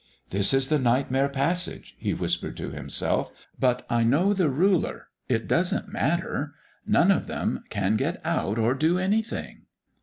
"This is the Nightmare Passage," he whispered to himself, "but I know the Ruler it doesn't matter. None of them can get out or do anything."